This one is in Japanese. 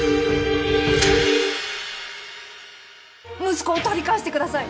息子を取り返してください。